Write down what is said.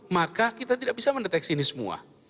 maka kita tidak bisa mendeteksi ini semua